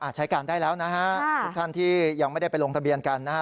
ใช้การได้แล้วนะฮะทุกท่านที่ยังไม่ได้ไปลงทะเบียนกันนะฮะ